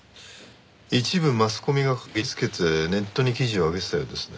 一部マスコミが嗅ぎつけてネットに記事をあげてたようですね。